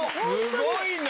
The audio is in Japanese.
すごいな。